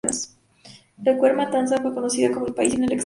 La cruel matanza fue conocida en el país y en el extranjero.